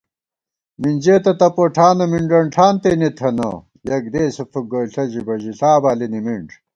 مِنجېتہ تپوٹھانہ، مِنݮن ٹھان تېنےتھنہ * یک دېسے فُک گوئیݪہ ژِبہ، ژِݪا بالی نِمِنݮ